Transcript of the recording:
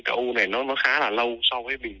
không chỉ nằm ở tính thẩm mỹ